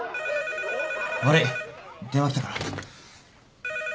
☎悪い電話来たから。